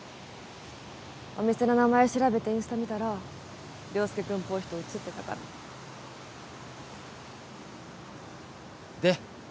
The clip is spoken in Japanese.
お店の名前調べてインスタ見たら良介くんっぽい人写ってたからで